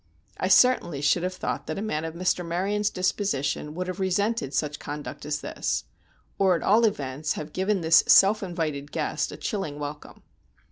I certainly should have thought that a man of Mr. Maryon's disposition would have resented such conduct as this, or, at all events, have given this self invited guest a chilling welcome.